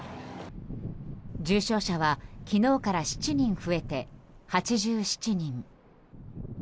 重症者は昨日から７人増えて８７人。